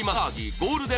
ゴールデン